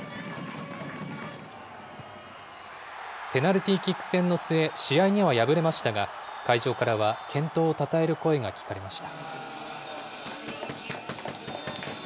ペナルティーキック戦の末、試合には敗れましたが、会場からは健闘をたたえる声が聞かれました。